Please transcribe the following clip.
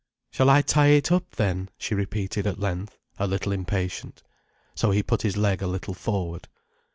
"Shall I tie it up, then?" she repeated at length, a little impatient. So he put his leg a little forward.